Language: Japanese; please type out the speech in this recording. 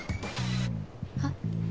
はっ？